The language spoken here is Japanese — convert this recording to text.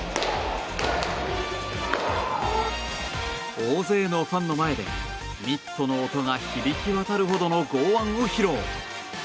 大勢のファンの前でミットの音が響き渡るほどの剛腕を披露。